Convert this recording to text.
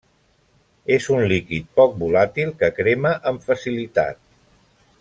És un líquid poc volàtil que crema amb facilitat.